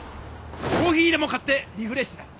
コーヒーでも買ってリフレッシュだ！